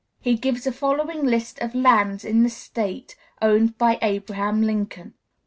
He gives the following list of lands in that State owned by Abraham Lincoln: 1.